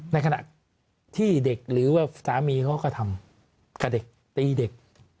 ในขณะที่เด็กหรือว่าสามีเขาก็ทำกับเด็กตีเด็ก